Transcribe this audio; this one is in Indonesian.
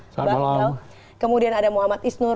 selamat malam kemudian ada muhammad isnur